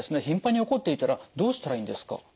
頻繁に起こっていたらどうしたらいいんですか？